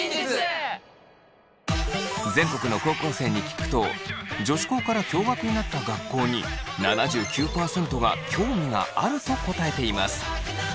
全国の高校生に聞くと女子校から共学になった学校に７９％が興味があると答えています。